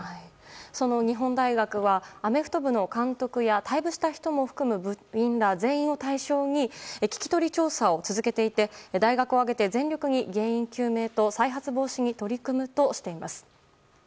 その日本大学はアメフト部の監督や退部した人も含む部員ら全員を対象に聞き取り調査を続けていて大学を挙げて全力で原因究明と再発防止に取り組むとしています。